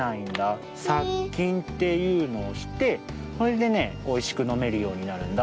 さっきんっていうのをしてそれでねおいしくのめるようになるんだ。